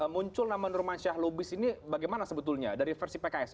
muncul nama nurman syahlubis ini bagaimana sebetulnya dari versi pks